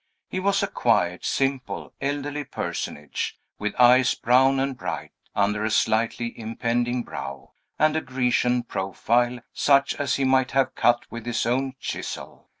He was a quiet, simple, elderly personage, with eyes brown and bright, under a slightly impending brow, and a Grecian profile, such as he might have cut with his own chisel.